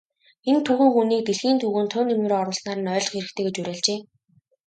Энэ түүхэн хүнийг дэлхийн түүхэнд хувь нэмрээ оруулснаар нь ойлгох хэрэгтэй гэж уриалжээ.